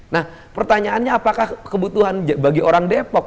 nah pertanyaannya apakah kebutuhan bagi orang depok